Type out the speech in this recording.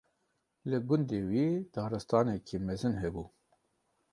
Li gundê wî daristaneke mezin hebû.